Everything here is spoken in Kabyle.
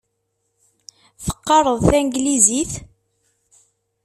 Teqqareḍ tanglizit?